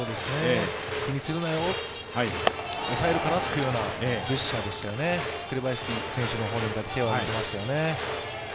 気にするなよ、抑えるからっていうようなジェスチャーでしたよね、紅林選手の方に向かって手を挙げていましたよね。